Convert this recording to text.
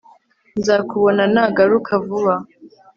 nzakubona nagaruka vuba